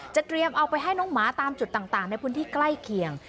เตรียมเอาไปให้น้องหมาตามจุดต่างในพื้นที่ใกล้เคียง